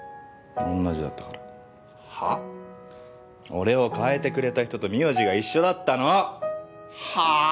俺を変えてくれた人と名字が一緒だったのはぁ？